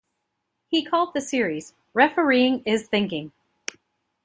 He called the series, Refereeing is thinking.